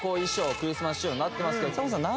クリスマス仕様になってますけど佐久間さん何？